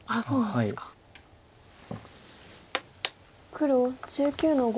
黒１９の五。